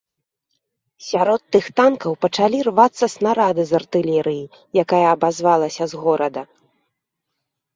Сярод тых танкаў пачалі рвацца снарады з артылерыі, якая абазвалася з горада.